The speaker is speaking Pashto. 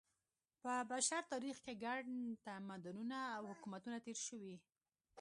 په بشر تاریخ کې ګڼ تمدنونه او حکومتونه تېر شوي.